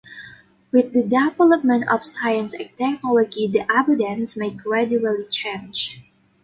With the development of science and technology the abundances may gradually change.